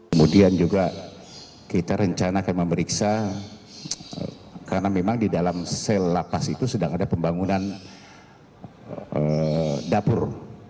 kemudian juga kita rencanakan memeriksa karena memang di dalam sel lapas itu sedang ada pembangunan dapur